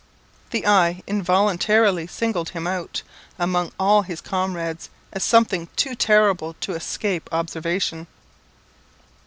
The eye involuntarily singled him out among all his comrades, as something too terrible to escape observation.